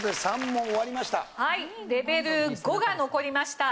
レベル５が残りました。